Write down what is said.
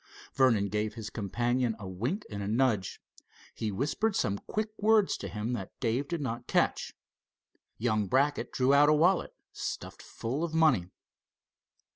Vernon gave his companion a wink and a nudge. He whispered some quick words to him that Dave did not catch. Young Brackett drew out a wallet stuffed full of money.